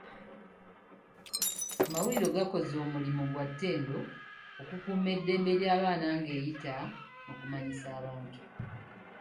Amawulire gakoze omulimu gwa ttendo okukuuma eddembe ly'abaana ng'eyita mu kumanyisa abantu.